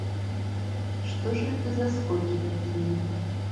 Што ж гэта за скокі такія?